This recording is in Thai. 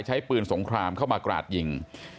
ใช้ปืนสงครามเข้ามากราดยิง